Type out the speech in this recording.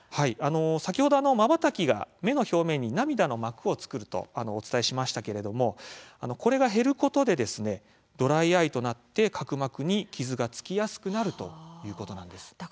先ほど、まばたきが目の表面に涙の膜を作るとお伝えしましたけれどもこれが減ることでドライアイとなって角膜に傷がつきやすくなるということなんです。